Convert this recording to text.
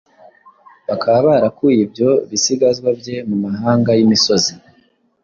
bakaba barakuye ibyo bisigazwa bye mu mabanga y’imisozi